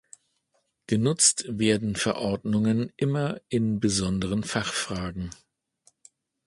Genutzt werden Verordnungen immer in besonderen Fachfragen.